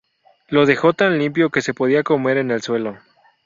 Lo dejó tan limpio que se podía comer en el suelo